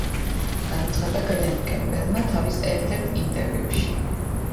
განაცხადა გლენ კემბელმა თავის ერთ-ერთ ინტერვიუში.